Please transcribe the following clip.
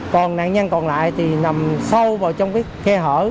còn nạn nhân còn lại thì nằm sâu vào trong cái khe hở